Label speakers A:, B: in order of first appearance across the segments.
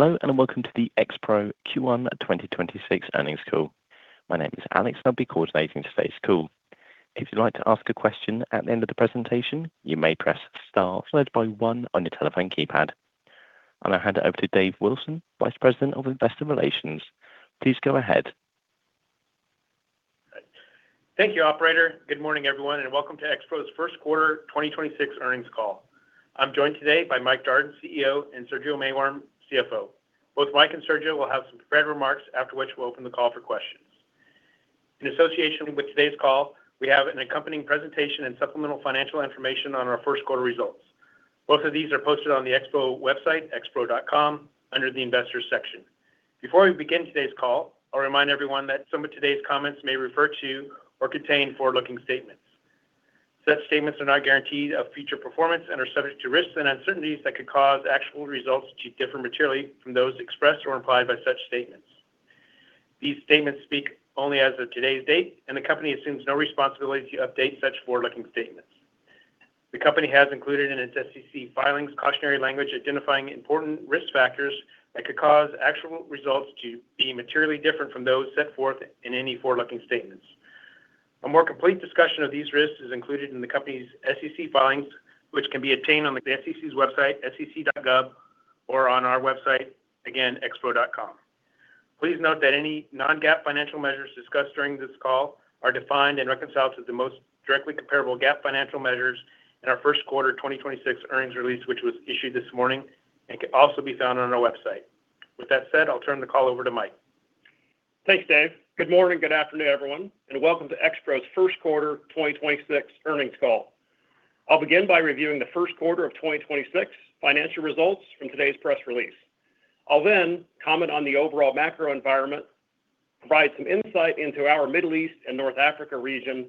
A: Hello, welcome to the Expro Q1 2026 earnings call. My name is Alex, I'll be coordinating today's call. If you'd like to ask a question at the end of the presentation, you may press star followed by one on your telephone keypad. I'm gonna hand it over to Dave Wilson, Vice President of Investor Relations. Please go ahead.
B: Thank you, operator. Good morning, everyone, and welcome to Expro's 1st quarter 2026 earnings call. I'm joined today by Michael Jardon, CEO, and Sergio Maiworm, CFO. Both Mike and Sergio will have some prepared remarks, after which we'll open the call for questions. In association with today's call, we have an accompanying presentation and supplemental financial information on our 1st quarter results. Both of these are posted on the Expro website, expro.com, under the Investors section. Before we begin today's call, I'll remind everyone that some of today's comments may refer to or contain forward-looking statements. Such statements are not guarantees of future performance and are subject to risks and uncertainties that could cause actual results to differ materially from those expressed or implied by such statements. These statements speak only as of today's date, and the company assumes no responsibility to update such forward-looking statements. The company has included in its SEC filings cautionary language identifying important risk factors that could cause actual results to be materially different from those set forth in any forward-looking statements. A more complete discussion of these risks is included in the company's SEC filings, which can be obtained on the SEC's website, sec.gov, or on our website, again, expro.com. Please note that any non-GAAP financial measures discussed during this call are defined and reconciled to the most directly comparable GAAP financial measures in our first quarter 2026 earnings release, which was issued this morning and can also be found on our website. With that said, I'll turn the call over to Mike.
C: Thanks, Dave. Good morning, good afternoon, everyone, welcome to Expro's first quarter 2026 earnings call. I'll begin by reviewing the first quarter of 2026 financial results from today's press release. I'll then comment on the overall macro environment, provide some insight into our Middle East and North Africa region,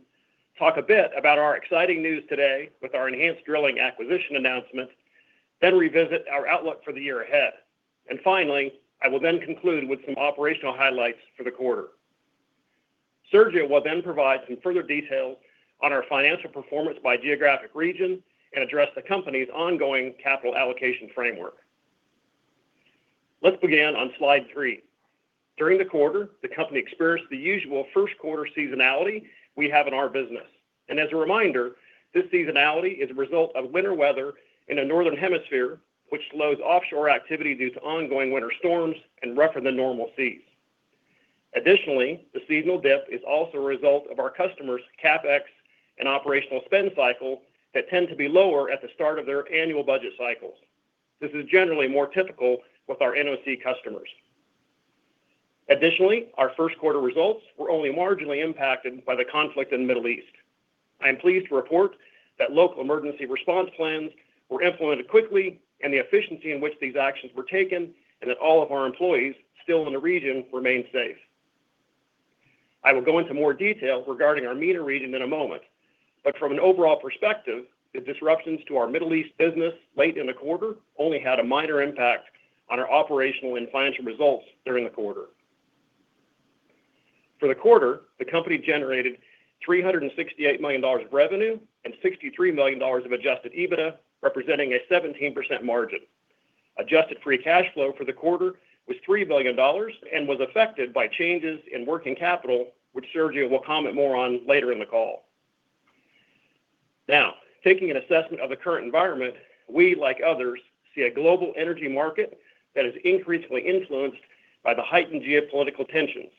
C: talk a bit about our exciting news today with our Enhanced Drilling acquisition announcement, then revisit our outlook for the year ahead. Finally, I will then conclude with some operational highlights for the quarter. Sergio will then provide some further detail on our financial performance by geographic region and address the company's ongoing capital allocation framework. Let's begin on slide 3. During the quarter, the company experienced the usual first quarter seasonality we have in our business. As a reminder, this seasonality is a result of winter weather in the Northern Hemisphere, which slows offshore activity due to ongoing winter storms and rougher than normal seas. Additionally, the seasonal dip is also a result of our customers' CapEx and operational spend cycle that tend to be lower at the start of their annual budget cycles. This is generally more typical with our NOC customers. Additionally, our first quarter results were only marginally impacted by the conflict in the Middle East. I am pleased to report that local emergency response plans were implemented quickly, and the efficiency in which these actions were taken, and that all of our employees still in the region remain safe. I will go into more detail regarding our MENA region in a moment. From an overall perspective, the disruptions to our Middle East business late in the quarter only had a minor impact on our operational and financial results during the quarter. For the quarter, the company generated $368 million of revenue and $63 million of adjusted EBITDA, representing a 17% margin. Adjusted free cash flow for the quarter was $3 million and was affected by changes in working capital, which Sergio will comment more on later in the call. Taking an assessment of the current environment, we, like others, see a global energy market that is increasingly influenced by the heightened geopolitical tensions,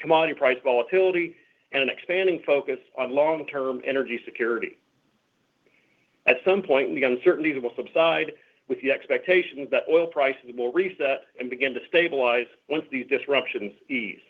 C: commodity price volatility, and an expanding focus on long-term energy security. At some point, the uncertainties will subside with the expectations that oil prices will reset and begin to stabilize once these disruptions ease.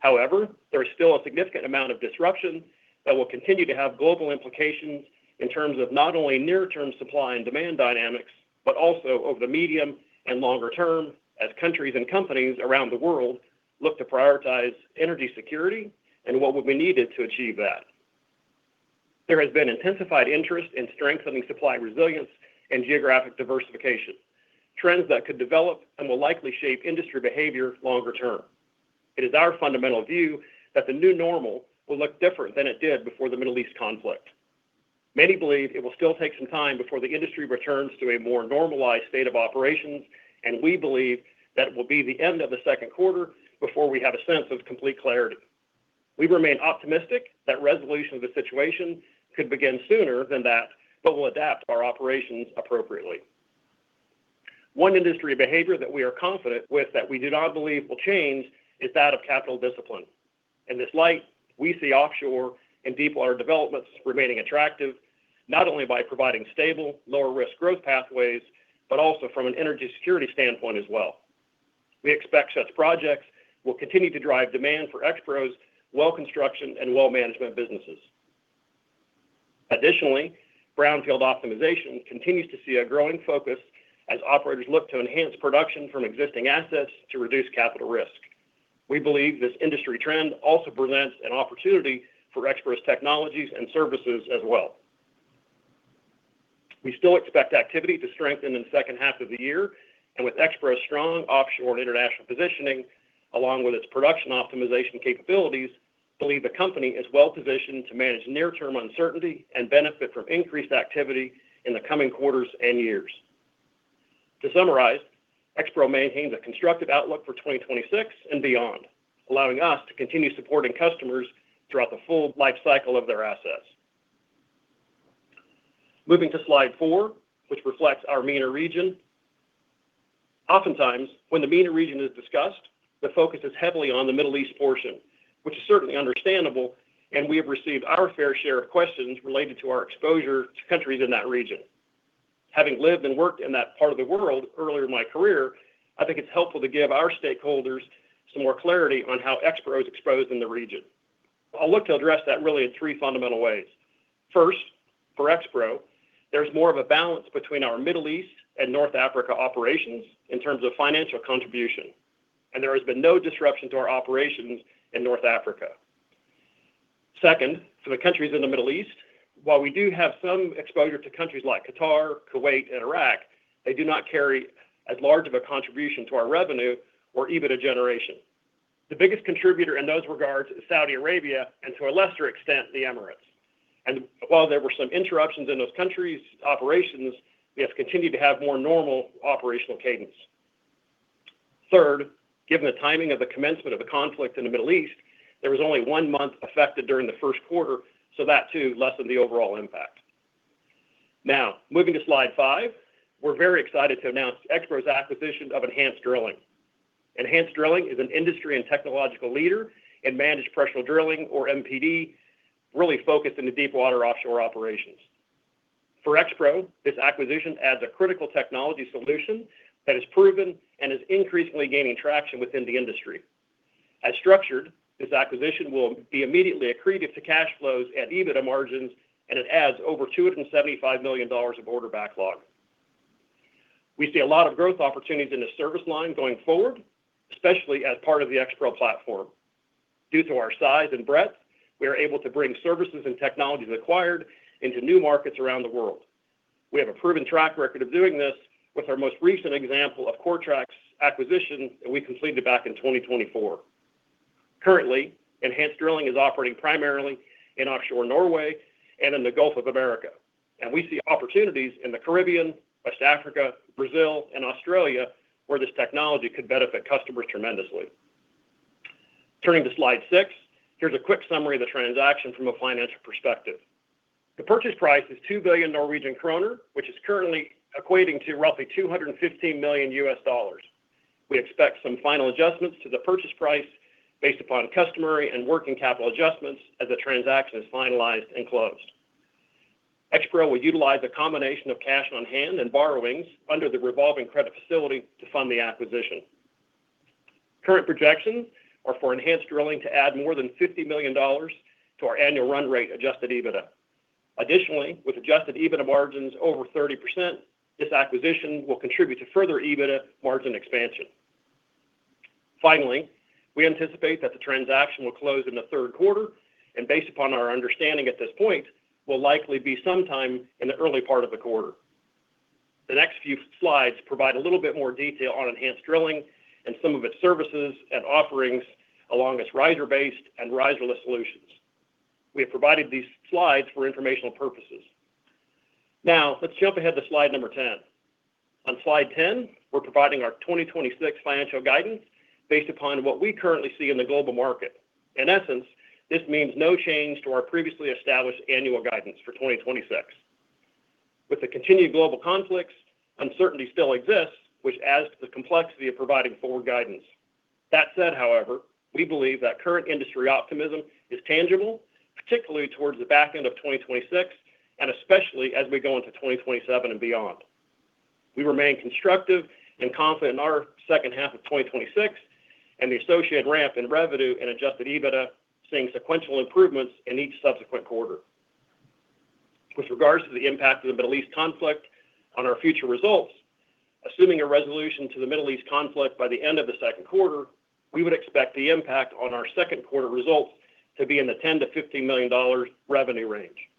C: However, there is still a significant amount of disruption that will continue to have global implications in terms of not only near-term supply and demand dynamics, but also over the medium and longer term as countries and companies around the world look to prioritize energy security and what would be needed to achieve that. There has been intensified interest in strengthening supply resilience and geographic diversification, trends that could develop and will likely shape industry behavior longer term. It is our fundamental view that the new normal will look different than it did before the Middle East conflict. Many believe it will still take some time before the industry returns to a more normalized state of operations. We believe that it will be the end of the second quarter before we have a sense of complete clarity. We remain optimistic that resolution of the situation could begin sooner than that, but we'll adapt our operations appropriately. One industry behavior that we are confident with that we do not believe will change is that of capital discipline. In this light, we see offshore and deepwater developments remaining attractive, not only by providing stable, lower risk growth pathways, but also from an energy security standpoint as well. We expect such projects will continue to drive demand for Expro's well construction and well management businesses. Additionally, brownfield optimization continues to see a growing focus as operators look to enhance production from existing assets to reduce capital risk. We believe this industry trend also presents an opportunity for Expro's technologies and services as well. We still expect activity to strengthen in the second half of the year, and with Expro's strong offshore and international positioning, along with its production optimization capabilities, we believe the company is well-positioned to manage near-term uncertainty and benefit from increased activity in the coming quarters and years. To summarize, Expro maintains a constructive outlook for 2026 and beyond, allowing us to continue supporting customers throughout the full well lifecycle of their assets. Moving to slide four, which reflects our MENA region. Oftentimes, when the MENA region is discussed, the focus is heavily on the Middle East portion, which is certainly understandable, and we have received our fair share of questions related to our exposure to countries in that region. Having lived and worked in that part of the world earlier in my career, I think it's helpful to give our stakeholders some more clarity on how Expro is exposed in the region. I'll look to address that really in three fundamental ways. First, for Expro, there's more of a balance between our Middle East and North Africa operations in terms of financial contribution, and there has been no disruption to our operations in North Africa. Second, for the countries in the Middle East, while we do have some exposure to countries like Qatar, Kuwait, and Iraq, they do not carry as large of a contribution to our revenue or EBITDA generation. The biggest contributor in those regards is Saudi Arabia and, to a lesser extent, the Emirates. While there were some interruptions in those countries' operations, we have continued to have more normal operational cadence. Third, given the timing of the commencement of the conflict in the Middle East, there was only 1 month affected during the first quarter. That too lessened the overall impact. Now, moving to slide five, we're very excited to announce Expro's acquisition of Enhanced Drilling. Enhanced Drilling is an industry and technological leader in managed pressure drilling, or MPD, really focused in the deepwater offshore operations. For Expro, this acquisition adds a critical technology solution that is proven and is increasingly gaining traction within the industry. As structured, this acquisition will be immediately accretive to cash flows and EBITDA margins. It adds over $275 million of order backlog. We see a lot of growth opportunities in this service line going forward, especially as part of the Expro platform. Due to our size and breadth, we are able to bring services and technologies acquired into new markets around the world. We have a proven track record of doing this with our most recent example of Coretrax's acquisition that we completed back in 2024. Currently, Enhanced Drilling is operating primarily in offshore Norway and in the Gulf of America, and we see opportunities in the Caribbean, West Africa, Brazil, and Australia where this technology could benefit customers tremendously. Turning to slide six, here's a quick summary of the transaction from a financial perspective. The purchase price is 2 billion Norwegian kroner, which is currently equating to roughly $215 million. We expect some final adjustments to the purchase price based upon customary and working capital adjustments as the transaction is finalized and closed. Expro will utilize a combination of cash on hand and borrowings under the revolving credit facility to fund the acquisition. Current projections are for Enhanced Drilling to add more than $50 million to our annual run rate adjusted EBITDA. Additionally, with adjusted EBITDA margins over 30%, this acquisition will contribute to further EBITDA margin expansion. Finally, we anticipate that the transaction will close in the third quarter, and based upon our understanding at this point, will likely be sometime in the early part of the quarter. The next few slides provide a little bit more detail on Enhanced Drilling and some of its services and offerings along its riser-based and riserless solutions. We have provided these slides for informational purposes. Now, let's jump ahead to slide number 10. On slide 10, we're providing our 2026 financial guidance based upon what we currently see in the global market. In essence, this means no change to our previously established annual guidance for 2026. With the continued global conflicts, uncertainty still exists, which adds to the complexity of providing forward guidance. That said, however, we believe that current industry optimism is tangible, particularly towards the back end of 2026, and especially as we go into 2027 and beyond. We remain constructive and confident in our second half of 2026 and the associated ramp in revenue and adjusted EBITDA seeing sequential improvements in each subsequent quarter. With regards to the impact of the Middle East conflict on our future results, assuming a resolution to the Middle East conflict by the end of the second quarter, we would expect the impact on our second quarter results to be in the $10 million-$15 million revenue range.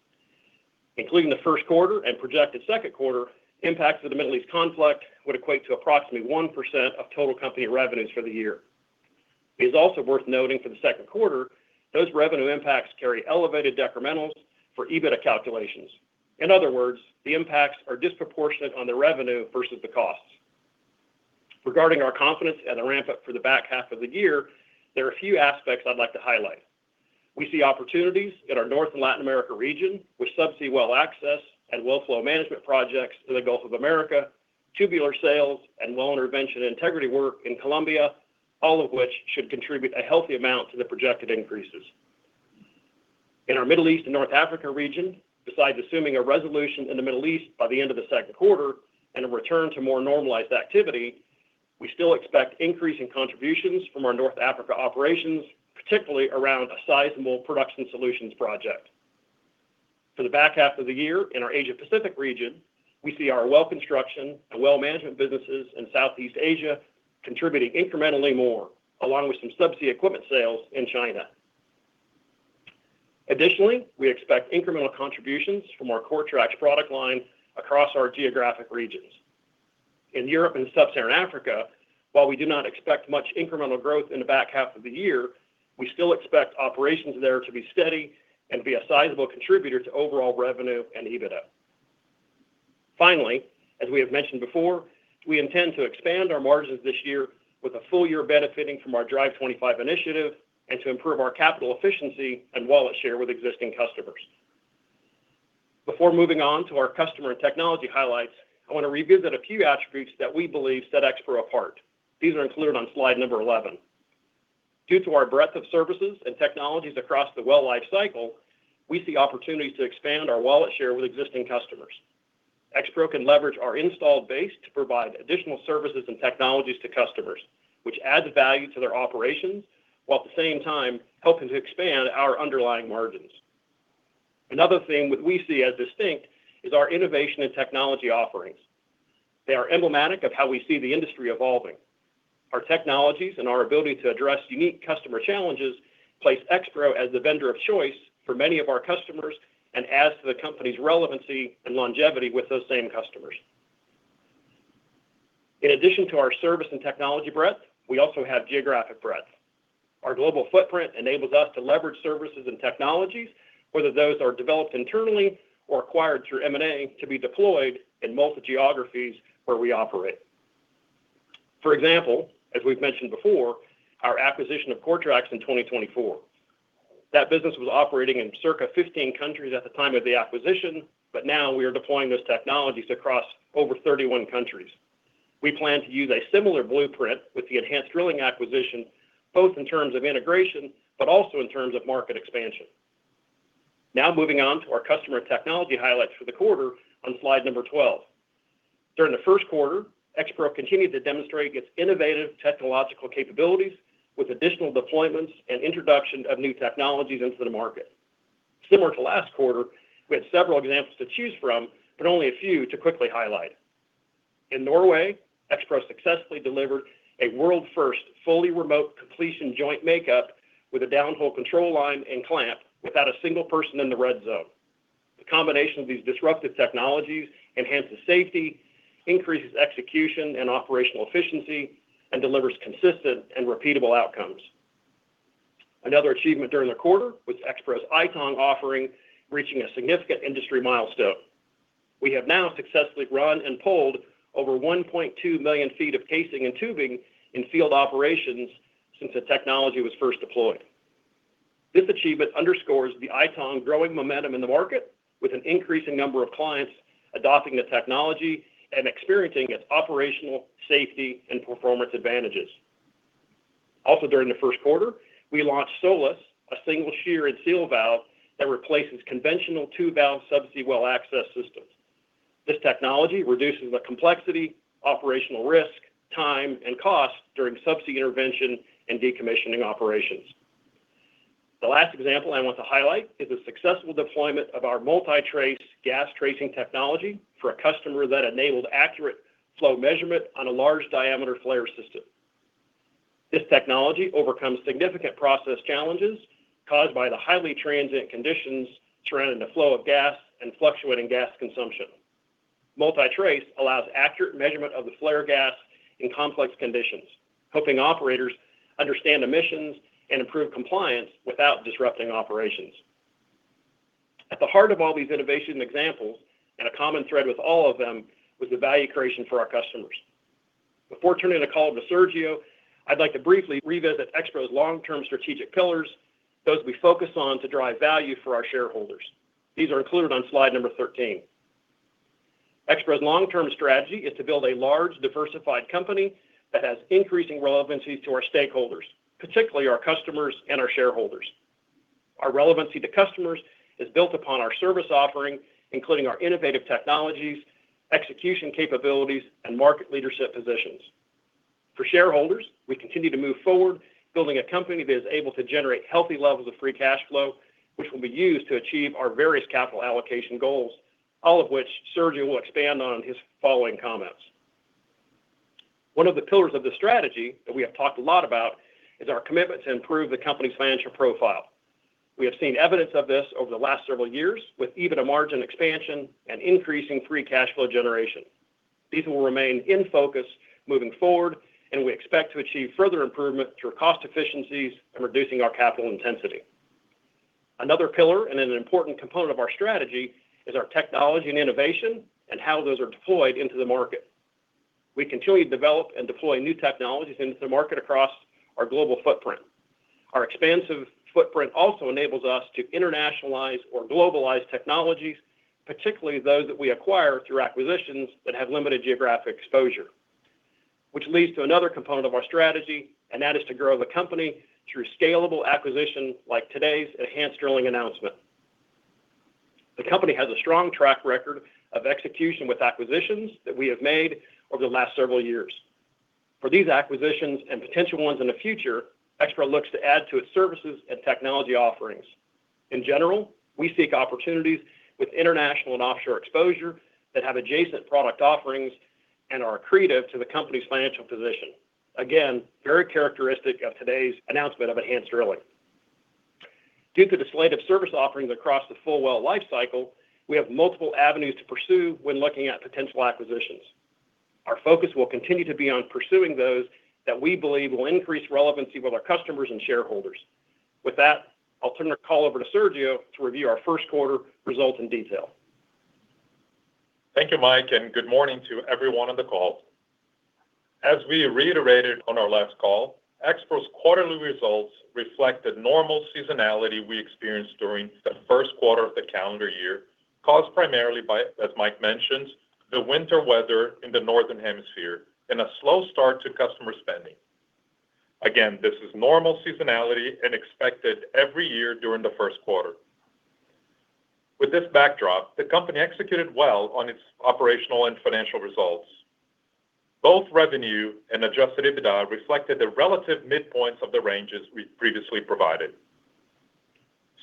C: Including the first quarter and projected second quarter, impacts of the Middle East conflict would equate to approximately 1% of total company revenues for the year. It is also worth noting for the second quarter, those revenue impacts carry elevated decrementals for EBITDA calculations. In other words, the impacts are disproportionate on the revenue versus the costs. Regarding our confidence and the ramp-up for the back half of the year, there are a few aspects I'd like to highlight. We see opportunities in our North and Latin America region with subsea well access and well flow management projects in the Gulf of America, tubular sales, and well intervention and integrity work in Colombia, all of which should contribute a healthy amount to the projected increases. In our Middle East and North Africa region, besides assuming a resolution in the Middle East by the end of the second quarter and a return to more normalized activity, we still expect increasing contributions from our North Africa operations, particularly around a sizable production solutions project. For the back half of the year in our Asia-Pacific region, we see our well construction and well management businesses in Southeast Asia contributing incrementally more, along with some subsea equipment sales in China. Additionally, we expect incremental contributions from our Coretrax product line across our geographic regions. In Europe and Sub-Saharan Africa, while we do not expect much incremental growth in the back half of the year, we still expect operations there to be steady and be a sizable contributor to overall revenue and EBITDA. Finally, as we have mentioned before, we intend to expand our margins this year with a full year benefiting from our Drive 25 initiative and to improve our capital efficiency and wallet share with existing customers. Before moving on to our customer and technology highlights, I want to revisit a few attributes that we believe set Expro apart. These are included on slide number 11. Due to our breadth of services and technologies across the well lifecycle, we see opportunities to expand our wallet share with existing customers. Expro can leverage our installed base to provide additional services and technologies to customers, which adds value to their operations, while at the same time helping to expand our underlying margins. Another thing that we see as distinct is our innovation and technology offerings. They are emblematic of how we see the industry evolving. Our technologies and our ability to address unique customer challenges place Expro as the vendor of choice for many of our customers and adds to the company's relevancy and longevity with those same customers. In addition to our service and technology breadth, we also have geographic breadth. Our global footprint enables us to leverage services and technologies, whether those are developed internally or acquired through M&A to be deployed in multiple geographies where we operate. For example, as we've mentioned before, our acquisition of Coretrax in 2024. That business was operating in circa 15 countries at the time of the acquisition, but now we are deploying those technologies across over 31 countries. We plan to use a similar blueprint with the Enhanced Drilling acquisition, both in terms of integration, but also in terms of market expansion. Moving on to our customer technology highlights for the quarter on slide number 12. During the first quarter, Expro continued to demonstrate its innovative technological capabilities with additional deployments and introduction of new technologies into the market. Similar to last quarter, we had several examples to choose from, only a few to quickly highlight. In Norway, Expro successfully delivered a world-first fully remote completion joint makeup with a downhole control line and clamp without a single person in the red zone. The combination of these disruptive technologies enhances safety, increases execution and operational efficiency, and delivers consistent and repeatable outcomes. Another achievement during the quarter was Expro's iTONG offering reaching a significant industry milestone. We have now successfully run and pulled over 1.2 million feet of casing and tubing in field operations since the technology was first deployed. This achievement underscores the iTONG growing momentum in the market with an increasing number of clients adopting the technology and experiencing its operational safety and performance advantages. During the 1st quarter, we launched Solus, a single shear and seal valve that replaces conventional 2-valve subsea well access systems. This technology reduces the complexity, operational risk, time, and cost during subsea intervention and decommissioning operations. The last example I want to highlight is the successful deployment of our MultiTrace gas tracing technology for a customer that enabled accurate flow measurement on a large diameter flare system. This technology overcomes significant process challenges caused by the highly transient conditions surrounding the flow of gas and fluctuating gas consumption. MultiTrace allows accurate measurement of the flare gas in complex conditions, helping operators understand emissions and improve compliance without disrupting operations. At the heart of all these innovation examples, and a common thread with all of them, was the value creation for our customers. Before turning the call to Sergio, I'd like to briefly revisit Expro's long-term strategic pillars, those we focus on to drive value for our shareholders. These are included on slide number 13. Expro's long-term strategy is to build a large, diversified company that has increasing relevancy to our stakeholders, particularly our customers and our shareholders. Our relevancy to customers is built upon our service offering, including our innovative technologies, execution capabilities, and market leadership positions. For shareholders, we continue to move forward building a company that is able to generate healthy levels of free cash flow, which will be used to achieve our various capital allocation goals, all of which Sergio will expand on in his following comments. One of the pillars of the strategy that we have talked a lot about is our commitment to improve the company's financial profile. We have seen evidence of this over the last several years, with EBITDA margin expansion and increasing free cash flow generation. These will remain in focus moving forward, we expect to achieve further improvement through cost efficiencies and reducing our capital intensity. Another pillar and an important component of our strategy is our technology and innovation and how those are deployed into the market. We continue to develop and deploy new technologies into the market across our global footprint. Our expansive footprint also enables us to internationalize or globalize technologies, particularly those that we acquire through acquisitions that have limited geographic exposure, which leads to another component of our strategy, and that is to grow the company through scalable acquisition like today's Enhanced Drilling announcement. The company has a strong track record of execution with acquisitions that we have made over the last several years. For these acquisitions and potential ones in the future, Expro looks to add to its services and technology offerings. In general, we seek opportunities with international and offshore exposure that have adjacent product offerings and are accretive to the company's financial position. Again, very characteristic of today's announcement of Enhanced Drilling. Due to the slate of service offerings across the full well lifecycle, we have multiple avenues to pursue when looking at potential acquisitions. Our focus will continue to be on pursuing those that we believe will increase relevancy with our customers and shareholders. With that, I'll turn the call over to Sergio to review our first quarter results in detail.
D: Thank you, Mike, and good morning to everyone on the call. As we reiterated on our last call, Expro's quarterly results reflect the normal seasonality we experienced during the first quarter of the calendar year, caused primarily by, as Mike mentioned, the winter weather in the northern hemisphere and a slow start to customer spending. Again, this is normal seasonality and expected every year during the first quarter. With this backdrop, the company executed well on its operational and financial results. Both revenue and adjusted EBITDA reflected the relative midpoints of the ranges we previously provided.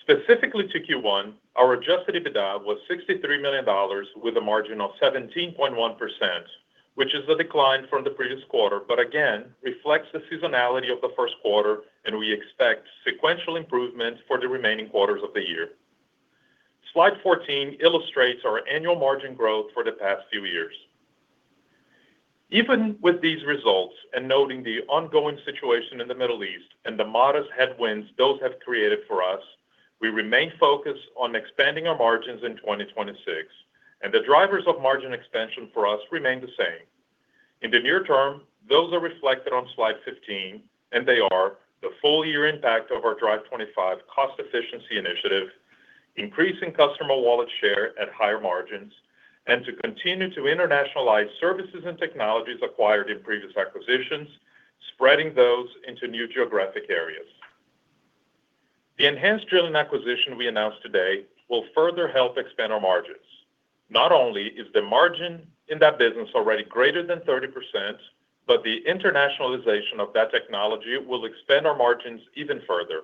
D: Specifically to Q1, our adjusted EBITDA was $63 million with a margin of 17.1%, which is a decline from the previous quarter, but again reflects the seasonality of the first quarter, and we expect sequential improvements for the remaining quarters of the year. Slide 14 illustrates our annual margin growth for the past few years. Even with these results, noting the ongoing situation in the Middle East and the modest headwinds those have created for us, we remain focused on expanding our margins in 2026, the drivers of margin expansion for us remain the same. In the near term, those are reflected on slide 15, they are the full year impact of our Drive 25 cost efficiency initiative, increasing customer wallet share at higher margins to continue to internationalize services and technologies acquired in previous acquisitions, spreading those into new geographic areas. The Enhanced Drilling acquisition we announced today will further help expand our margins. Not only is the margin in that business already greater than 30%, the internationalization of that technology will expand our margins even further.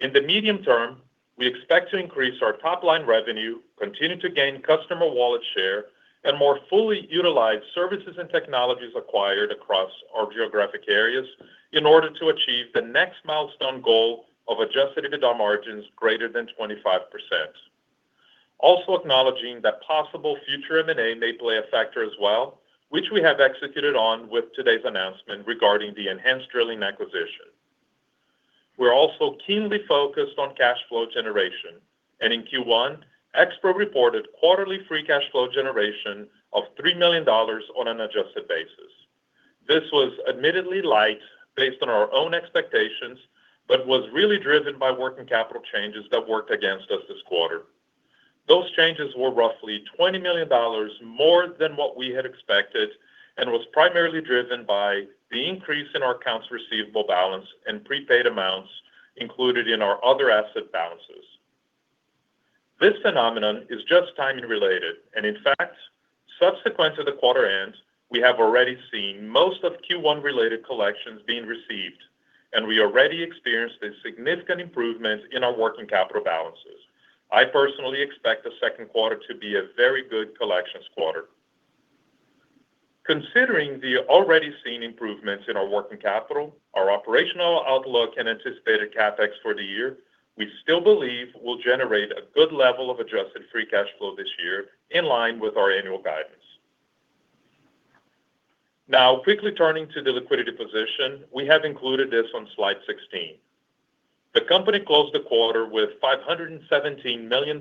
D: In the medium term, we expect to increase our top line revenue, continue to gain customer wallet share and more fully utilize services and technologies acquired across our geographic areas in order to achieve the next milestone goal of adjusted EBITDA margins greater than 25%. Acknowledging that possible future M&A may play a factor as well, which we have executed on with today's announcement regarding the Enhanced Drilling acquisition. We're also keenly focused on cash flow generation, and in Q1, Expro reported quarterly free cash flow generation of $3 million on an adjusted basis. This was admittedly light based on our own expectations, but was really driven by working capital changes that worked against us this quarter. Those changes were roughly $20 million more than what we had expected and was primarily driven by the increase in our accounts receivable balance and prepaid amounts included in our other asset balances. This phenomenon is just timing related and in fact, subsequent to the quarter end, we have already seen most of Q1 related collections being received and we already experienced a significant improvement in our working capital balances. I personally expect the second quarter to be a very good collections quarter. Considering the already seen improvements in our working capital, our operational outlook, and anticipated CapEx for the year, we still believe we'll generate a good level of adjusted free cash flow this year in line with our annual guidance. Now quickly turning to the liquidity position, we have included this on slide 16. The company closed the quarter with $517 million in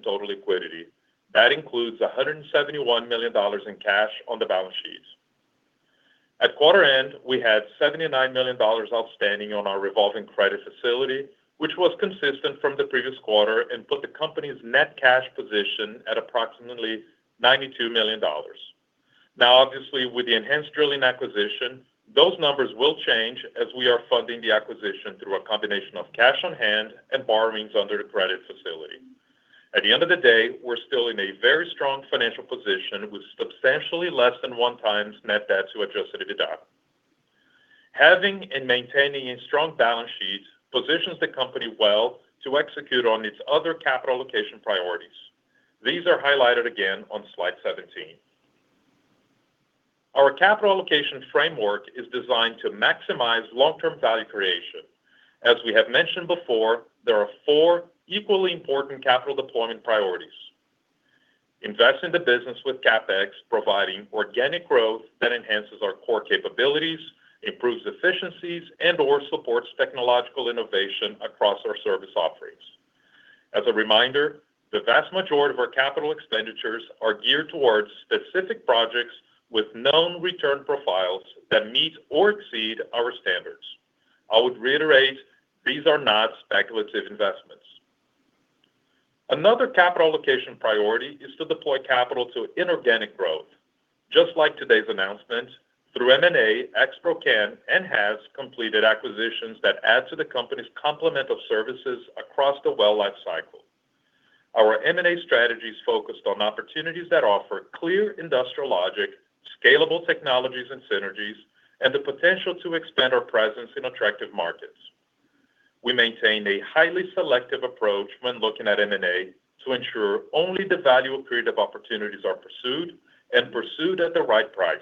D: total liquidity. That includes $171 million in cash on the balance sheets. At quarter end, we had $79 million outstanding on our revolving credit facility, which was consistent from the previous quarter and put the company's net cash position at approximately $92 million. Obviously with the Enhanced Drilling acquisition, those numbers will change as we are funding the acquisition through a combination of cash on hand and borrowings under the credit facility. At the end of the day, we're still in a very strong financial position with substantially less than 1 times net debt to adjusted EBITDA. Having and maintaining a strong balance sheet positions the company well to execute on its other capital allocation priorities. These are highlighted again on slide 17. Our capital allocation framework is designed to maximize long-term value creation. As we have mentioned before, there are four equally important capital deployment priorities. Invest in the business with CapEx, providing organic growth that enhances our core capabilities, improves efficiencies, and or supports technological innovation across our service offerings. As a reminder, the vast majority of our capital expenditures are geared towards specific projects with known return profiles that meet or exceed our standards. I would reiterate, these are not speculative investments. Another capital allocation priority is to deploy capital to inorganic growth. Just like today's announcement, through M&A, Expro can and has completed acquisitions that add to the company's complement of services across the well lifecycle. Our M&A strategy is focused on opportunities that offer clear industrial logic, scalable technologies and synergies, and the potential to expand our presence in attractive markets. We maintain a highly selective approach when looking at M&A to ensure only the value accretive opportunities are pursued and pursued at the right price.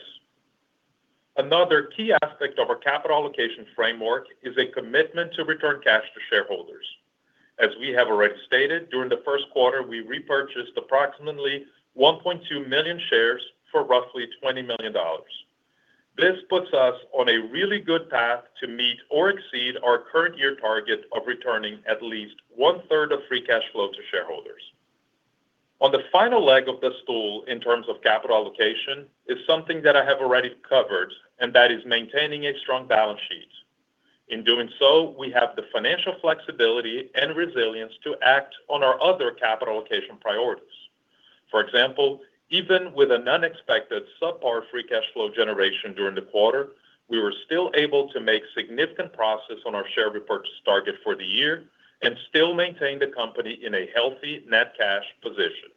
D: Another key aspect of our capital allocation framework is a commitment to return cash to shareholders. As we have already stated, during the first quarter, we repurchased approximately 1.2 million shares for roughly $20 million. This puts us on a really good path to meet or exceed our current year target of returning at least one third of free cash flow to shareholders. On the final leg of the stool in terms of capital allocation is something that I have already covered, and that is maintaining a strong balance sheet. In doing so, we have the financial flexibility and resilience to act on our other capital allocation priorities. For example, even with an unexpected subpar free cash flow generation during the quarter, we were still able to make significant progress on our share repurchase target for the year and still maintain the company in a healthy net cash position.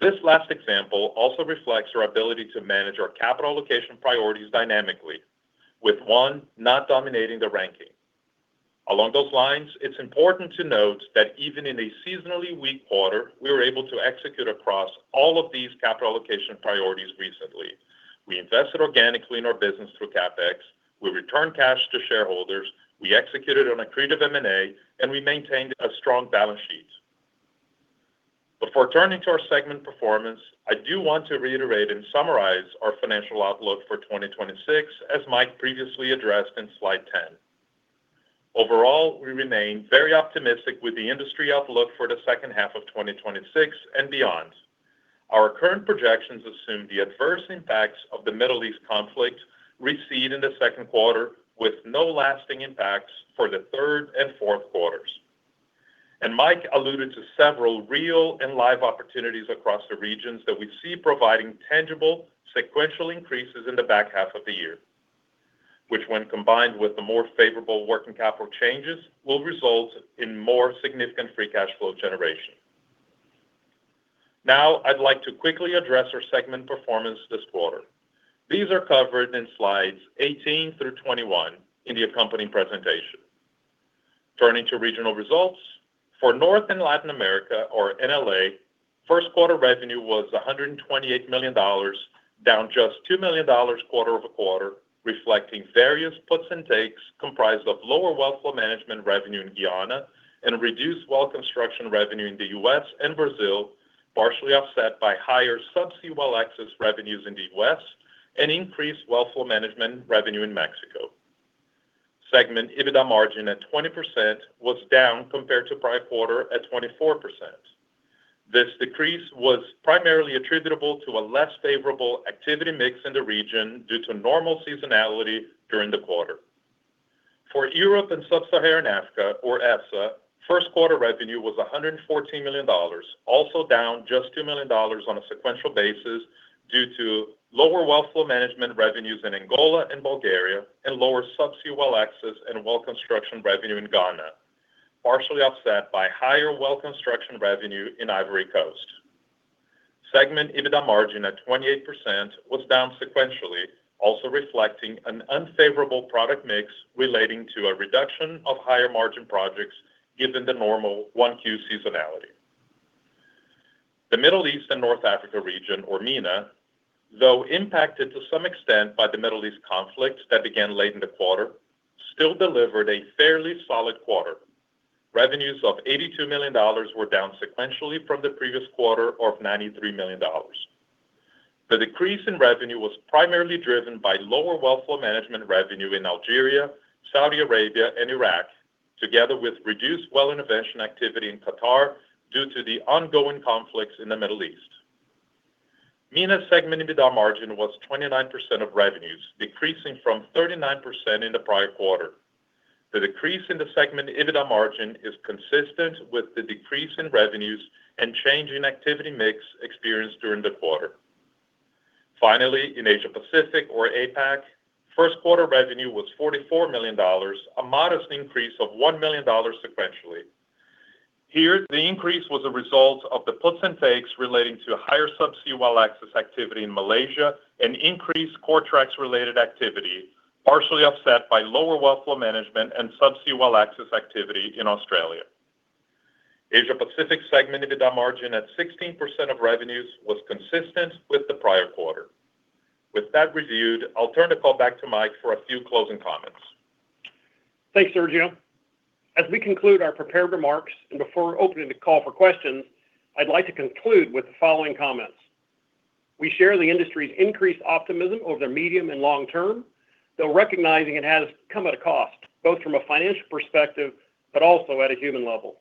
D: This last example also reflects our ability to manage our capital allocation priorities dynamically, with one not dominating the ranking. Along those lines, it's important to note that even in a seasonally weak quarter, we were able to execute across all of these capital allocation priorities recently. We invested organically in our business through CapEx. We returned cash to shareholders. We executed on accretive M&A, and we maintained a strong balance sheet. Before turning to our segment performance, I do want to reiterate and summarize our financial outlook for 2026, as Mike previously addressed in slide 10. Overall, we remain very optimistic with the industry outlook for the second half of 2026 and beyond. Our current projections assume the adverse impacts of the Middle East conflict recede in the second quarter with no lasting impacts for the third and fourth quarters. Mike alluded to several real and live opportunities across the regions that we see providing tangible sequential increases in the back half of the year, which when combined with the more favorable working capital changes, will result in more significant free cash flow generation. I'd like to quickly address our segment performance this quarter. These are covered in slides 18 through 21 in the accompanying presentation. Turning to regional results, for North and Latin America, or NLA, first quarter revenue was $128 million, down just $2 million quarter-over-quarter, reflecting various puts and takes comprised of lower well flow management revenue in Guyana and reduced well construction revenue in the U.S. and Brazil, partially offset by higher subsea well access revenues in the U.S. and increased well flow management revenue in Mexico. Segment EBITDA margin at 20% was down compared to prior quarter at 24%. This decrease was primarily attributable to a less favorable activity mix in the region due to normal seasonality during the quarter. For Europe and Sub-Saharan Africa, or ESSA, first quarter revenue was $114 million, also down just $2 million on a sequential basis due to lower well flow management revenues in Angola and Bulgaria and lower subsea well access and well construction revenue in Ghana, partially offset by higher well construction revenue in Ivory Coast. Segment EBITDA margin at 28% was down sequentially, also reflecting an unfavorable product mix relating to a reduction of higher margin projects given the normal 1Q seasonality. The Middle East and North Africa region, or MENA, though impacted to some extent by the Middle East conflict that began late in the quarter, still delivered a fairly solid quarter. Revenues of $82 million were down sequentially from the previous quarter of $93 million. The decrease in revenue was primarily driven by lower well flow management revenue in Algeria, Saudi Arabia, and Iraq, together with reduced well intervention activity in Qatar due to the ongoing conflicts in the Middle East. MENA's segment EBITDA margin was 29% of revenues, decreasing from 39% in the prior quarter. The decrease in the segment EBITDA margin is consistent with the decrease in revenues and change in activity mix experienced during the quarter. Finally, in Asia Pacific, or APAC, first quarter revenue was $44 million, a modest increase of $1 million sequentially. Here, the increase was a result of the puts and takes relating to higher subsea well access activity in Malaysia and increased Coretrax-related activity, partially offset by lower well flow management and subsea well access activity in Australia. Asia Pacific's segment EBITDA margin at 16% of revenues was consistent with the prior quarter. With that reviewed, I'll turn the call back to Mike for a few closing comments.
C: Thanks, Sergio. As we conclude our prepared remarks and before opening the call for questions, I'd like to conclude with the following comments. We share the industry's increased optimism over the medium and long term, though recognizing it has come at a cost, both from a financial perspective, but also at a human level.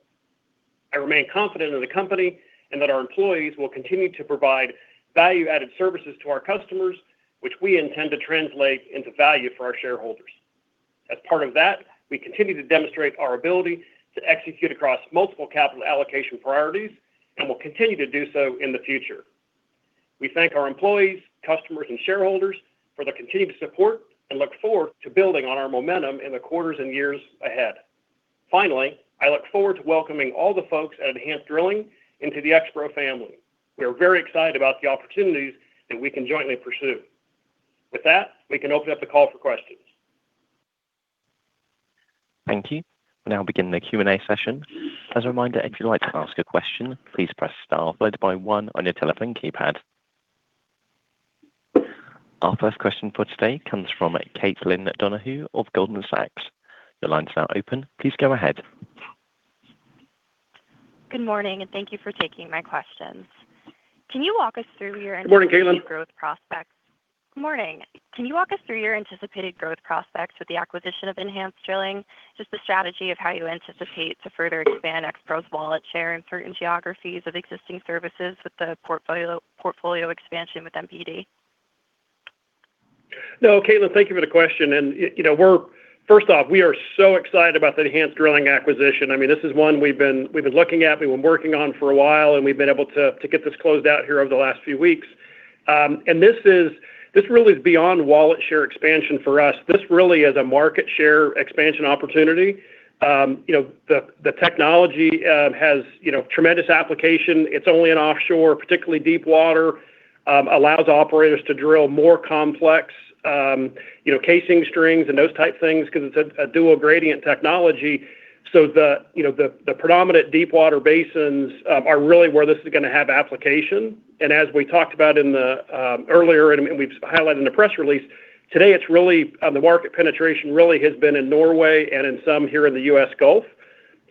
C: I remain confident in the company and that our employees will continue to provide value-added services to our customers, which we intend to translate into value for our shareholders. As part of that, we continue to demonstrate our ability to execute across multiple capital allocation priorities and will continue to do so in the future. We thank our employees, customers, and shareholders for their continued support and look forward to building on our momentum in the quarters and years ahead. Finally, I look forward to welcoming all the folks at Enhanced Drilling into the Expro family. We are very excited about the opportunities that we can jointly pursue. With that, we can open up the call for questions.
A: Thank you. We'll now begin the Q&A session. As a reminder, if you'd like to ask a question, please press star followed by one on your telephone keypad. Our first question for today comes from Caitlin Donohue of Goldman Sachs. Your line's now open. Please go ahead.
E: Good morning, thank you for taking my questions. Can you walk us through your
C: Good morning, Caitlin.
E: anticipated growth prospects? Good morning. Can you walk us through your anticipated growth prospects with the acquisition of Enhanced Drilling, just the strategy of how you anticipate to further expand Expro's wallet share in certain geographies of existing services with the portfolio expansion with MPD?
C: No, Caitlin, thank you for the question. You know, first off, we are so excited about the Enhanced Drilling acquisition. I mean, this is one we've been looking at, we've been working on for a while, and we've been able to get this closed out here over the last few weeks. This really is beyond wallet share expansion for us. This really is a market share expansion opportunity. You know, the technology has, you know, tremendous application. It's only in offshore, particularly deep water. Allows operators to drill more complex, you know, casing strings and those type things because it's a dual gradient technology. The, you know, the predominant deep water basins are really where this is gonna have application. As we talked about in the earlier and we've highlighted in the press release, today it's really the market penetration really has been in Norway and in some here in the U.S. Gulf.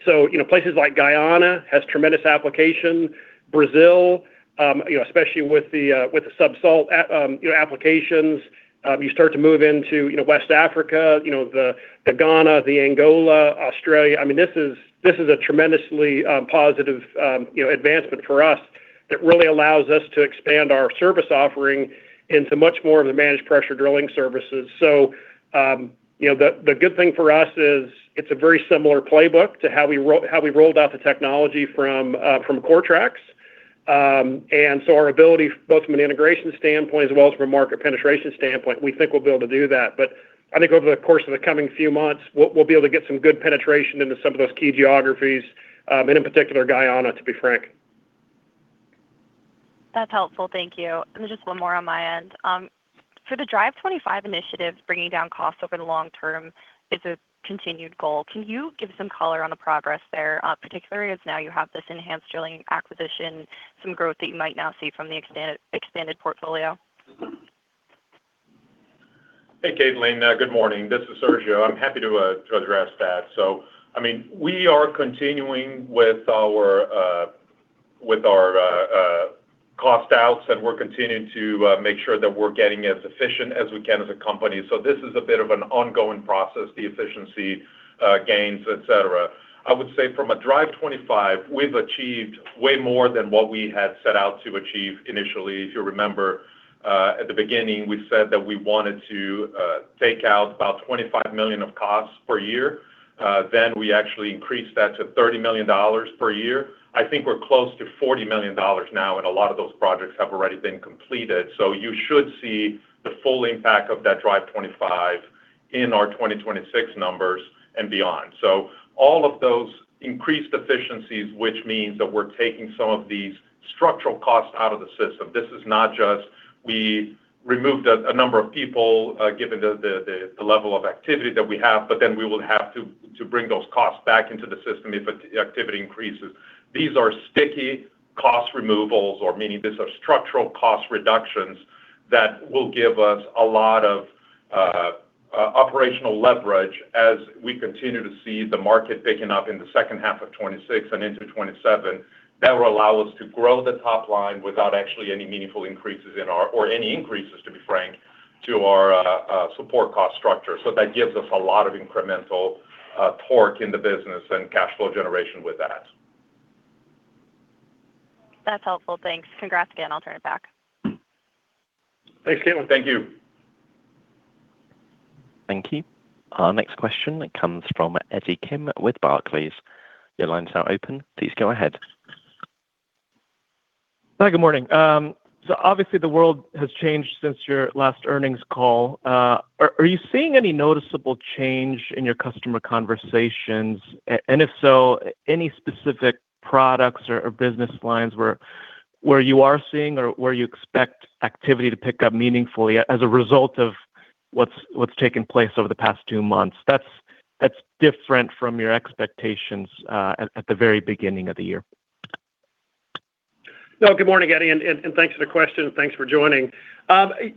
C: You know, places like Guyana has tremendous application. Brazil, you know, especially with the sub-salt applications. You start to move into, you know, West Africa, you know, the Ghana, the Angola, Australia. I mean, this is a tremendously positive, you know, advancement for us that really allows us to expand our service offering into much more of the managed pressure drilling services. You know, the good thing for us is it's a very similar playbook to how we rolled out the technology from Coretrax. Our ability, both from an integration standpoint as well as from a market penetration standpoint, we think we'll be able to do that. I think over the course of the coming few months, we'll be able to get some good penetration into some of those key geographies, and in particular, Guyana, to be frank.
E: That's helpful. Thank you. Just one more on my end. For the Drive 25 initiatives, bringing down costs over the long term is a continued goal. Can you give some color on the progress there, particularly as now you have this Enhanced Drilling acquisition, some growth that you might now see from the extended, expanded portfolio?
D: Hey, Caitlin. Good morning. This is Sergio. I'm happy to address that. I mean, we are continuing with our with our cost outs, and we're continuing to make sure that we're getting as efficient as we can as a company. This is a bit of an ongoing process, the efficiency gains, et cetera. I would say from a Drive 25, we've achieved way more than what we had set out to achieve initially. If you remember, at the beginning, we said that we wanted to take out about $25 million of costs per year. Then we actually increased that to $30 million per year. I think we're close to $40 million now, and a lot of those projects have already been completed. You should see the full impact of that Drive 25 in our 2026 numbers and beyond. All of those increased efficiencies, which means that we're taking some of these structural costs out of the system. This is not just we removed a number of people, given the level of activity that we have, but then we will have to bring those costs back into the system if activity increases. These are sticky cost removals, or meaning these are structural cost reductions that will give us a lot of operational leverage as we continue to see the market picking up in the second half of 26 and into 27. That will allow us to grow the top line without actually any meaningful increases in our, or any increases, to be frank, to our support cost structure. That gives us a lot of incremental torque in the business and cash flow generation with that.
E: That's helpful. Thanks. Congrats again. I'll turn it back.
C: Thanks, Caitlin. Thank you.
A: Thank you. Our next question comes from Eddie Kim with Barclays. Your line is now open. Please go ahead.
F: Hi, good morning. Obviously the world has changed since your last earnings call. Are you seeing any noticeable change in your customer conversations? If so, any specific products or business lines where you are seeing or where you expect activity to pick up meaningfully as a result of what's taken place over the past two months that's different from your expectations at the very beginning of the year?
C: Good morning, Eddie, and thanks for the question. Thanks for joining.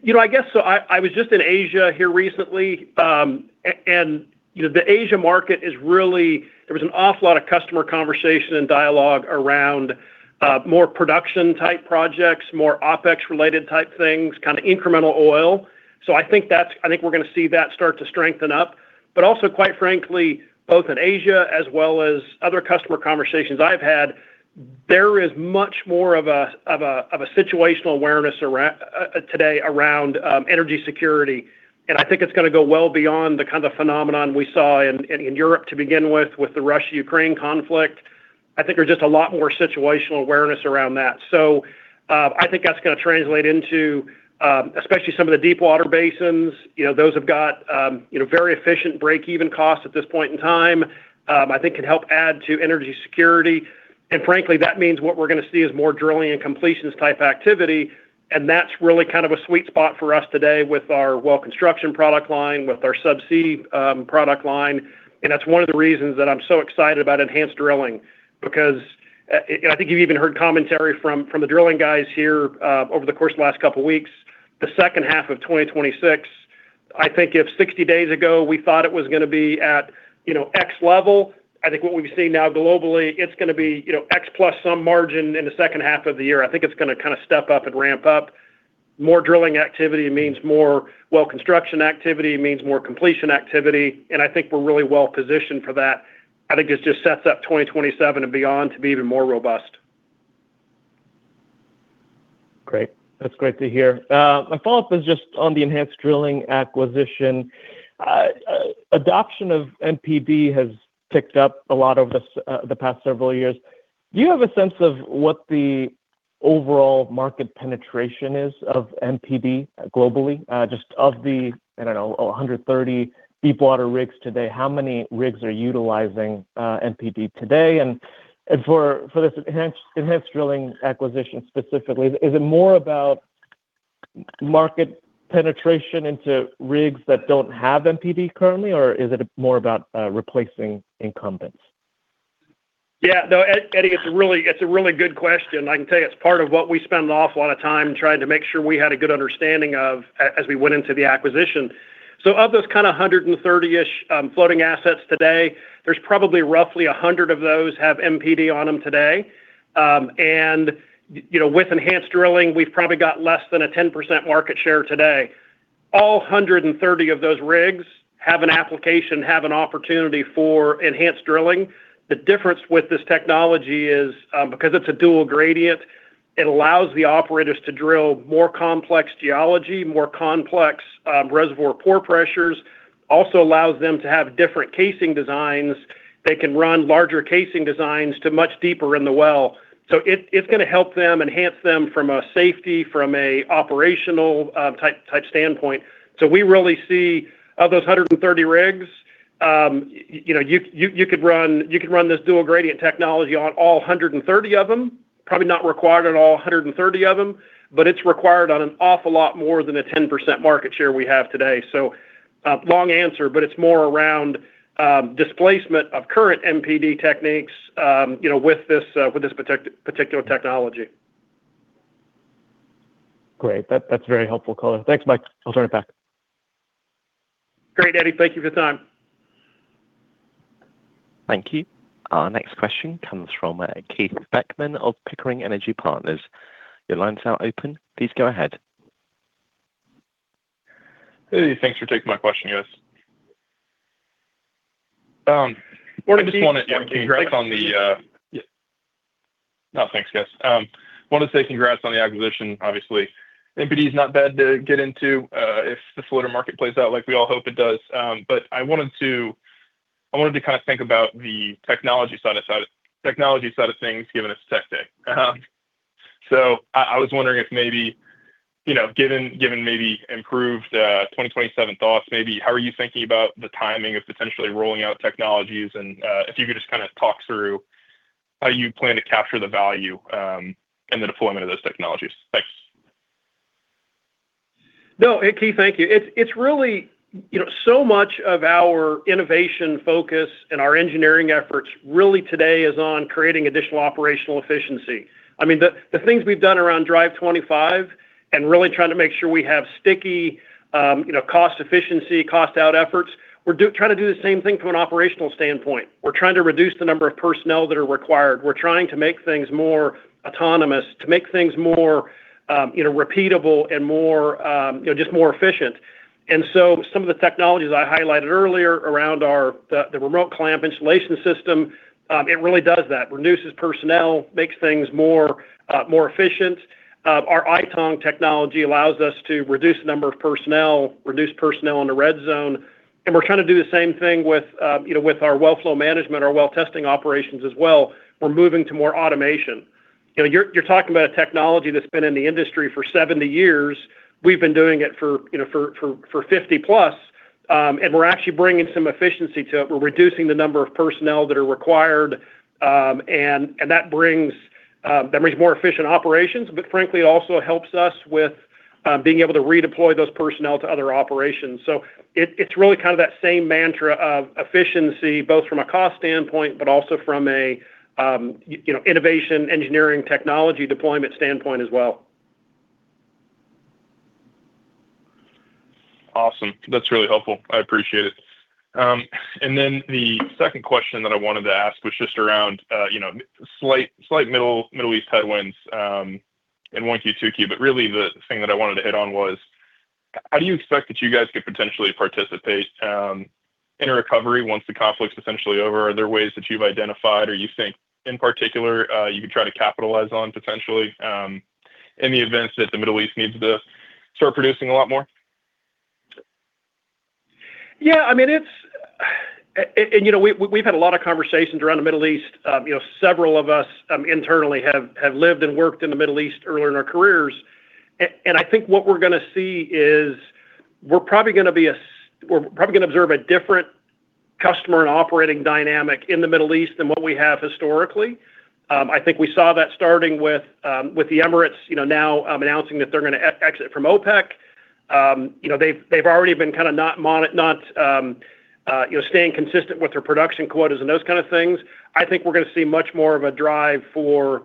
C: You know, I guess I was just in Asia here recently. You know, the Asia market. There was an awful lot of customer conversation and dialogue around more production type projects, more OpEx related type things, kinda incremental oil. I think we're gonna see that start to strengthen up. Also, quite frankly, both in Asia as well as other customer conversations I've had, there is much more of a situational awareness today around energy security. I think it's gonna go well beyond the kind of phenomenon we saw in Europe to begin with the Russia-Ukraine conflict. I think there's just a lot more situational awareness around that. I think that's gonna translate into especially some of the deep water basins. You know, those have got, you know, very efficient break-even costs at this point in time, I think can help add to energy security. Frankly, that means what we're gonna see is more drilling and completions type activity, and that's really kind of a sweet spot for us today with our Well Construction product line, with our subsea product line, and that's one of the reasons that I'm so excited about Enhanced Drilling because I think you've even heard commentary from the drilling guys here over the course of the last couple weeks. The second half of 2026, I think if 60 days ago we thought it was gonna be at, you know, X level, I think what we see now globally, it's gonna be, you know, X plus some margin in the second half of the year. I think it's gonna kinda step up and ramp up. More drilling activity means more well construction activity, means more completion activity, and I think we're really well-positioned for that. I think this just sets up 2027 and beyond to be even more robust.
F: Great. That's great to hear. My follow-up is just on the Enhanced Drilling acquisition. Adoption of MPD has picked up a lot over the past several years. Do you have a sense of what the overall market penetration is of MPD globally? Just of the, I don't know, 130 deep water rigs today, how many rigs are utilizing MPD today? For this Enhanced Drilling acquisition specifically, is it more about market penetration into rigs that don't have MPD currently, or is it more about replacing incumbents?
C: Eddie, it's a really good question. I can tell you it's part of what we spend an awful lot of time trying to make sure we had a good understanding of as we went into the acquisition. Of those kinda 130-ish floating assets today, there's probably roughly 100 of those have MPD on them today. You know, with Enhanced Drilling, we've probably got less than a 10% market share today. All 130 of those rigs have an application, have an opportunity for Enhanced Drilling. The difference with this technology is, because it's a dual gradient, it allows the operators to drill more complex geology, more complex reservoir pore pressures. Also allows them to have different casing designs. They can run larger casing designs to much deeper in the well. It's gonna help them, enhance them from a safety, from a operational, type standpoint. We really see, of those 130 rigs, you know, you could run this dual gradient technology on all 130 of them. Probably not required on all 130 of them, but it's required on an awful lot more than a 10% market share we have today. Long answer, but it's more around displacement of current MPD techniques, you know, with this particular technology.
F: Great. That's very helpful color. Thanks, Mike. I'll turn it back.
C: Great, Eddie. Thank you for the time.
A: Thank you. Our next question comes from Keith Beckmann of Pickering Energy Partners. Your line's now open. Please go ahead.
G: Hey, thanks for taking my question, guys. Yeah, can you click on the Yeah. No, thanks, guys. Wanted to say congrats on the acquisition, obviously. MPD's not bad to get into if the floater market plays out like we all hope it does. I wanted to kind of think about the technology side of technology side of things, given it's tech day. I was wondering if maybe, you know, given improved 2027 thoughts maybe, how are you thinking about the timing of potentially rolling out technologies? If you could just kind of talk through how you plan to capture the value and the deployment of those technologies. Thanks.
C: Keith, thank you. It's really, you know, so much of our innovation focus and our engineering efforts really today is on creating additional operational efficiency. The things we've done around Drive 25 and really trying to make sure we have sticky, you know, cost efficiency, cost out efforts, we're trying to do the same thing from an operational standpoint. We're trying to reduce the number of personnel that are required. We're trying to make things more autonomous, to make things more, you know, repeatable and more, you know, just more efficient. Some of the technologies I highlighted earlier around our Remote Clamp Installation System, it really does that. Reduces personnel, makes things more efficient. Our iTONG technology allows us to reduce the number of personnel, reduce personnel in the red zone. We're trying to do the same thing with, you know, with our Well Flow Management, our well testing operations as well. We're moving to more automation. You know, you're talking about a technology that's been in the industry for 70 years. We've been doing it for, you know, for 50 plus. We're actually bringing some efficiency to it. We're reducing the number of personnel that are required. That brings more efficient operations, but frankly, it also helps us with being able to redeploy those personnel to other operations. It, it's really kind of that same mantra of efficiency, both from a cost standpoint, but also from a, you know, innovation, engineering, technology deployment standpoint as well.
G: Awesome. That's really helpful. I appreciate it. The second question that I wanted to ask was just around slight Middle East headwinds in 1Q2Q. The thing that I wanted to hit on was how do you expect that you guys could potentially participate in a recovery once the conflict's essentially over? Are there ways that you've identified or you think in particular you could try to capitalize on potentially in the event that the Middle East needs to start producing a lot more?
C: Yeah, I mean, it's you know, we've had a lot of conversations around the Middle East. You know, several of us, internally have lived and worked in the Middle East earlier in our careers. I think what we're gonna see is we're probably gonna observe a different customer and operating dynamic in the Middle East than what we have historically. I think we saw that starting with the Emirates, you know, now, announcing that they're gonna exit from OPEC. You know, they've already been kinda not, you know, staying consistent with their production quotas and those kind of things. I think we're gonna see much more of a drive for,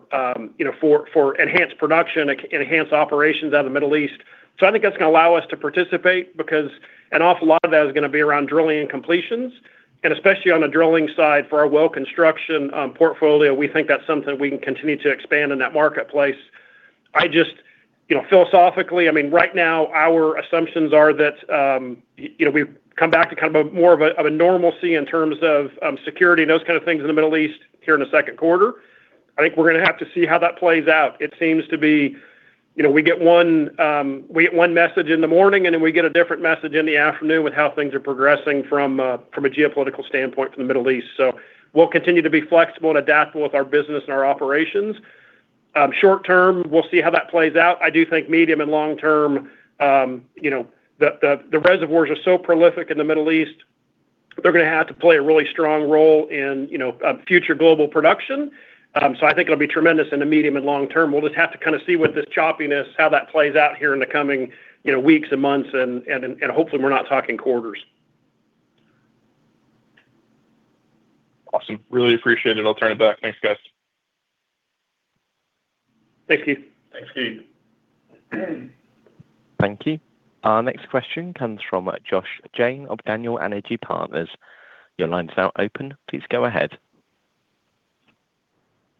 C: you know, for enhanced production, enhanced operations out of the Middle East. I think that's gonna allow us to participate because an awful lot of that is gonna be around drilling and completions, and especially on the drilling side for our Well Construction portfolio, we think that's something we can continue to expand in that marketplace. I just, you know, philosophically, I mean, right now our assumptions are that, you know, we come back to kind of a more of a, of a normalcy in terms of security and those kind of things in the Middle East here in the second quarter. I think we're gonna have to see how that plays out. It seems to be, you know, we get one, we get one message in the morning, and then we get a different message in the afternoon with how things are progressing from a geopolitical standpoint from the Middle East. We'll continue to be flexible and adaptable with our business and our operations. Short term, we'll see how that plays out. I do think medium and long term, you know, the reservoirs are so prolific in the Middle East, they're gonna have to play a really strong role in, you know, future global production. I think it'll be tremendous in the medium and long term. We'll just have to kind of see what this choppiness, how that plays out here in the coming, you know, weeks and months and hopefully we're not talking quarters.
G: Awesome. Really appreciate it. I'll turn it back. Thanks, guys.
C: Thank you.
D: Thanks you.
A: Thank you. Our next question comes from Josh Jayne of Daniel Energy Partners. Your line's now open. Please go ahead.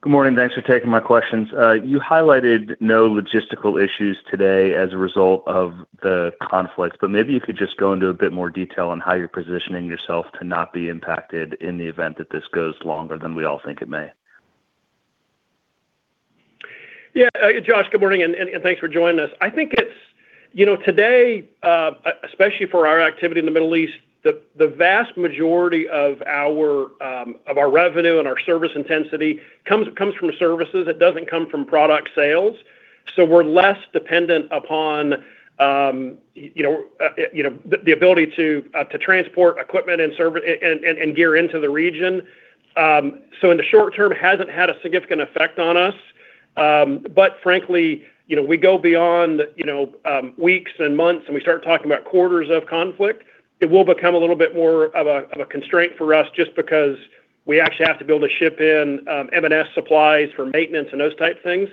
H: Good morning. Thanks for taking my questions. You highlighted no logistical issues today as a result of the conflict. Maybe you could just go into a bit more detail on how you're positioning yourself to not be impacted in the event that this goes longer than we all think it may.
C: Josh, good morning and thanks for joining us. I think it's, you know, today, especially for our activity in the Middle East, the vast majority of our revenue and our service intensity comes from services. It doesn't come from product sales. We're less dependent upon, you know, the ability to transport equipment and gear into the region. In the short term, it hasn't had a significant effect on us. Frankly, you know, we go beyond, you know, weeks and months and we start talking about quarters of conflict, it will become a little bit more of a constraint for us just because we actually have to be able to ship in M&S supplies for maintenance and those type things.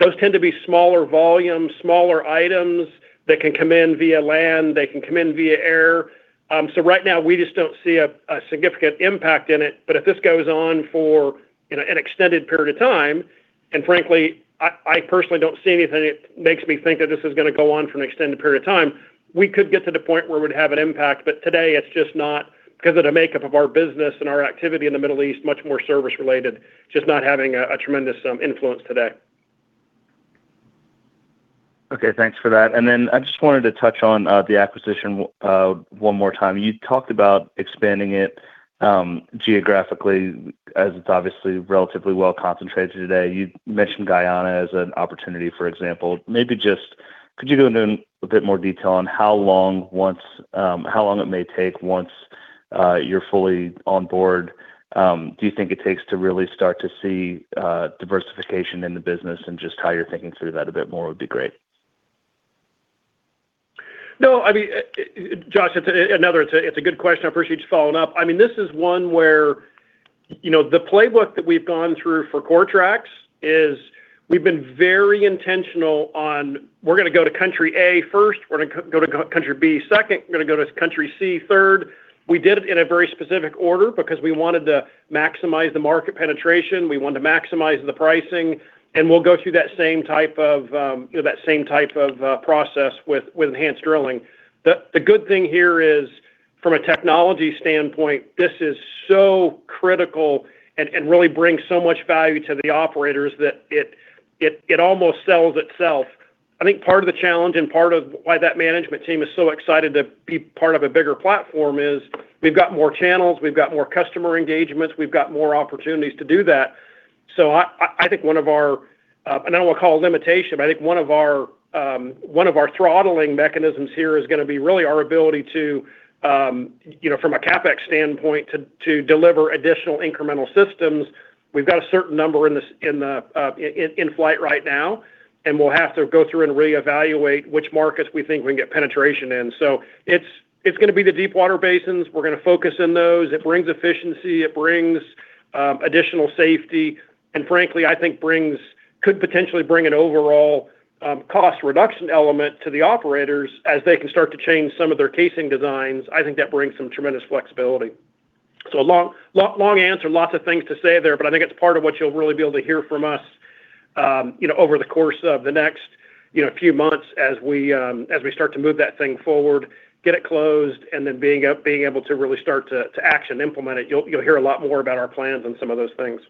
C: Those tend to be smaller volumes, smaller items that can come in via land, they can come in via air. Right now we just don't see a significant impact in it. If this goes on for, you know, an extended period of time, and frankly, I personally don't see anything that makes me think that this is gonna go on for an extended period of time, we could get to the point where it would have an impact. Today it's just not, because of the makeup of our business and our activity in the Middle East, much more service related, just not having a tremendous influence today.
H: Okay. Thanks for that. Then I just wanted to touch on the acquisition one more time. You talked about expanding it geographically as it's obviously relatively well concentrated today. You mentioned Guyana as an opportunity, for example. Maybe just could you go into a bit more detail on how long once, how long it may take once you're fully on board, do you think it takes to really start to see diversification in the business? Just how you're thinking through that a bit more would be great.
C: No, I mean, Josh, it's another, it's a good question. I appreciate you following up. I mean, this is one where, you know, the playbook that we've gone through for Coretrax is we've been very intentional on we're gonna go to country A first, we're gonna go to country B second, we're gonna go to country C third. We did it in a very specific order because we wanted to maximize the market penetration, we wanted to maximize the pricing, and we'll go through that same type of, you know, that same type of process with Enhanced Drilling. The good thing here is, from a technology standpoint, this is so critical and really brings so much value to the operators that it almost sells itself. I think part of the challenge and part of why that management team is so excited to be part of a bigger platform is we've got more channels, we've got more customer engagements, we've got more opportunities to do that. I think one of our, and I don't wanna call it a limitation, but I think one of our, one of our throttling mechanisms here is gonna be really our ability to, you know, from a CapEx standpoint to deliver additional incremental systems. We've got a certain number in flight right now, and we'll have to go through and reevaluate which markets we think we can get penetration in. It's gonna be the deep water basins. We're gonna focus in those. It brings efficiency, it brings additional safety, and frankly, I think brings could potentially bring an overall cost reduction element to the operators as they can start to change some of their casing designs. I think that brings some tremendous flexibility. A long, long, long answer, lots of things to say there, but I think it's part of what you'll really be able to hear from us, you know, over the course of the next, you know, few months as we as we start to move that thing forward, get it closed, and then being able to really start to action implement it. You'll hear a lot more about our plans on some of those things.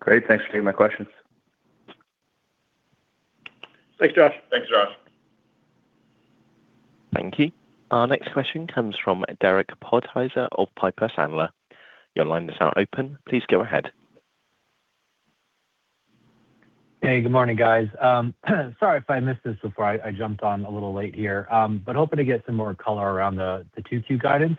H: Great. Thanks for taking my questions.
C: Thanks, Josh.
D: Thanks, Josh.
A: Thank you. Our next question comes from Derek Podhaizer of Piper Sandler. Your line is now open. Please go ahead.
I: Hey, good morning, guys. Sorry if I missed this before. I jumped on a little late here. Hoping to get some more color around the 2Q guidance.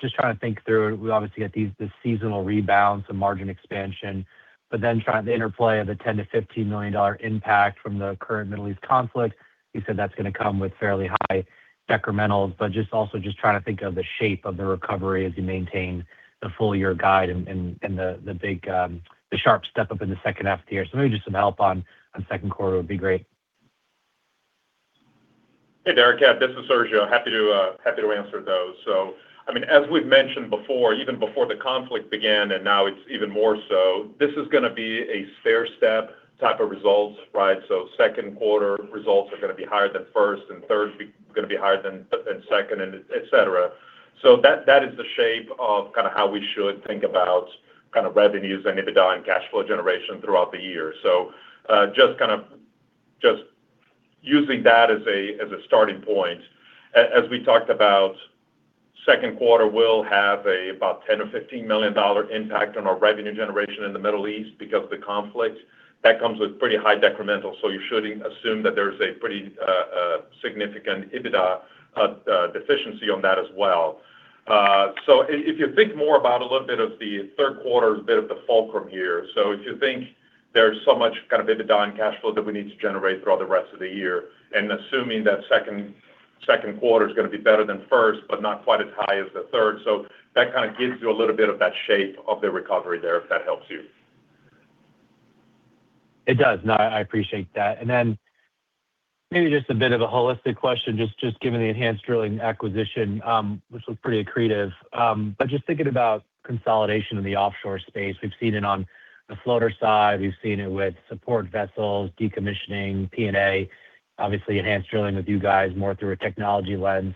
I: Just trying to think through it. We obviously get these, the seasonal rebounds and margin expansion, then trying the interplay of the $10 million-$15 million impact from the current Middle East conflict. You said that's gonna come with fairly high decrementals, just also trying to think of the shape of the recovery as you maintain the full year guide and the big, the sharp step up in the second half here. Maybe just some help on second quarter would be great.
D: Hey, Derek. Yeah, this is Sergio. Happy to answer those. I mean, as we've mentioned before, even before the conflict began, and now it's even more so, this is gonna be a stairstep type of results, right? Second quarter results are gonna be higher than first, and third's gonna be higher than second and et cetera. That is the shape of kinda how we should think about kind of revenues and EBITDA and cash flow generation throughout the year. Just using that as a starting point. As we talked about, second quarter will have a about $10 million or $15 million impact on our revenue generation in the Middle East because of the conflict. That comes with pretty high decremental. You should assume that there's a pretty significant EBITDA deficiency on that as well. If you think more about a little bit of the third quarter as a bit of the fulcrum here. If you think there's so much kind of EBITDA and cash flow that we need to generate throughout the rest of the year, and assuming that second quarter is gonna be better than first, but not quite as high as the third. That kind of gives you a little bit of that shape of the recovery there, if that helps you.
I: It does. No, I appreciate that. Maybe just a bit of a holistic question, just given the Enhanced Drilling acquisition, which was pretty accretive. Just thinking about consolidation in the offshore space. We've seen it on the floater side. We've seen it with support vessels, decommissioning, P&A. Obviously Enhanced Drilling with you guys more through a technology lens.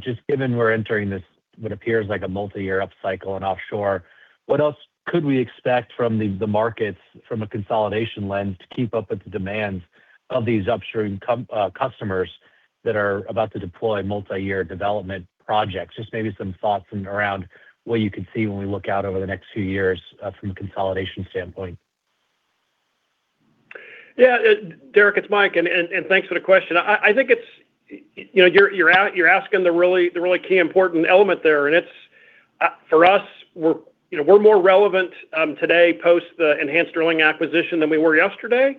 I: Just given we're entering this, what appears like a multi-year upcycle and offshore, what else could we expect from the markets from a consolidation lens to keep up with the demands of these upstream customers that are about to deploy multi-year development projects? Just maybe some thoughts in around what you could see when we look out over the next few years from a consolidation standpoint.
C: Derek, it's Mike, and thanks for the question. I think it's, you know, you're asking the really key important element there, and it's for us, we're, you know, we're more relevant today post the Enhanced Drilling acquisition than we were yesterday.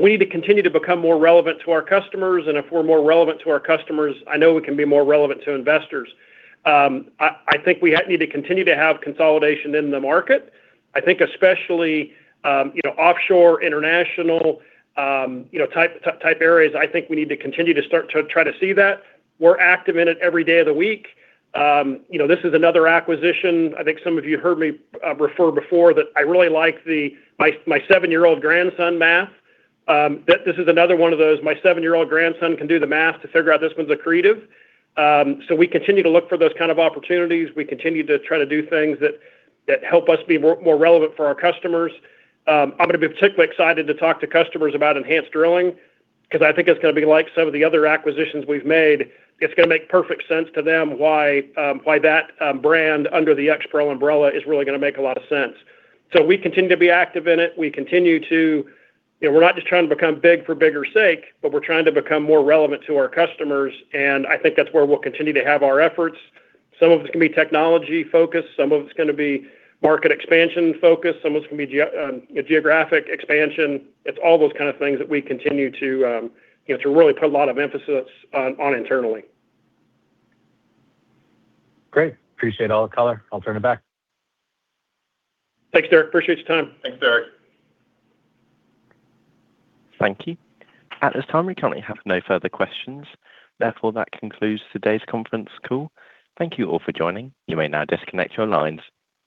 C: We need to continue to become more relevant to our customers, and if we're more relevant to our customers, I know we can be more relevant to investors. I think we need to continue to have consolidation in the market. I think especially, you know, offshore, international, you know, type areas. I think we need to continue to start to try to see that. We're active in it every day of the week. You know, this is another acquisition. I think some of you heard me refer before that I really like the my seven year old grandson math. This is another one of those my seven year old grandson can do the math to figure out this one's accretive. We continue to look for those kind of opportunities. We continue to try to do things that help us be more relevant for our customers. I'm gonna be particularly excited to talk to customers about Enhanced Drilling because I think it's gonna be like some of the other acquisitions we've made. It's gonna make perfect sense to them why why that brand under the Expro umbrella is really gonna make a lot of sense. We continue to be active in it. You know, we're not just trying to become big for bigger sake, but we're trying to become more relevant to our customers, and I think that's where we'll continue to have our efforts. Some of it's gonna be technology-focused. Some of it's gonna be market expansion-focused. Some of it's gonna be geographic expansion. It's all those kind of things that we continue to, you know, to really put a lot of emphasis on internally.
I: Great. Appreciate all the color. I'll turn it back.
C: Thanks, Derek. Appreciate your time.
D: Thanks, Derek.
A: Thank you. At this time, we currently have no further questions. Therefore, that concludes today's conference call. Thank you all for joining. You may now disconnect your lines.